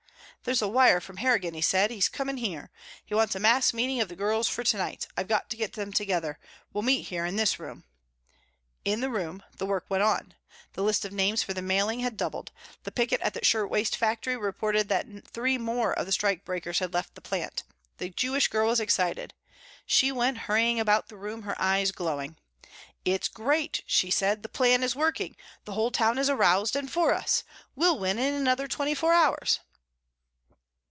"There's a wire from Harrigan," he said. "He's coming here. He wants a mass meeting of the girls for to night. I've got to get them together. We'll meet here in this room." In the room the work went on. The list of names for the mailing had doubled. The picket at the shirtwaist factory reported that three more of the strikebreakers had left the plant. The Jewish girl was excited. She went hurrying about the room, her eyes glowing. "It's great," she said. "The plan is working. The whole town is aroused and for us. We'll win in another twenty four hours."